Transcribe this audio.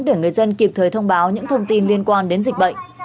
để người dân kịp thời thông báo những thông tin liên quan đến dịch bệnh